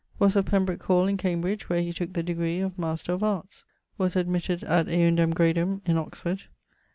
Was of Pembrooke hall in Cambridge, where he took the degree of Master of Arts. Was admitted ad eundem gradum in Oxford.